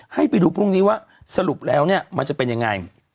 ให้ไปดูพรุ่งนี้ว่าสรุปแล้วเนี่ยมันจะเป็นยังไง